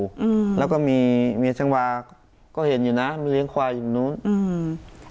อืมแล้วก็มีเมียช่างวาก็เห็นอยู่นะมันเลี้ยงควายอยู่นู้นอืม